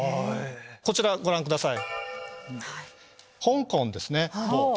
こちらご覧ください。